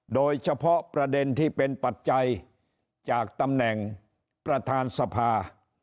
โดยเฉพาะประเด็นที่เป็นปัจจัยจากตำแหน่งประธานสภา